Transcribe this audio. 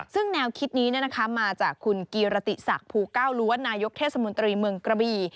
ซึ่งแนวคิดนี้มาจากคุณกีรติศักดิ์ภูเก้าล้วนนายกเทศมนตรีเมืองกระบี